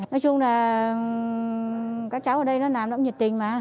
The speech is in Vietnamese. nói chung là các cháu ở đây nó làm nó cũng nhiệt tình mà